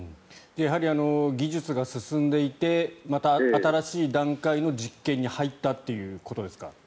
やはり技術が進んでいてまた新しい段階の実験に入ったということですか？